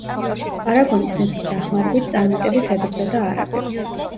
არაგონის მეფის დახმარებით წარმატებით ებრძოდა არაბებს.